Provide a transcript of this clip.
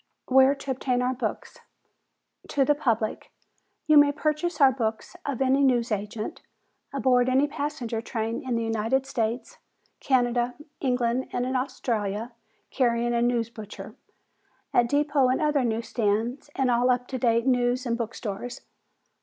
Where to Obtain Our Books To The Public: You may purchase our books of any news agent, aboard every passenger train in the United States, Canada, England and Australia, carrying a "news butcher." At depot and other news stands and all up to date news and book stores.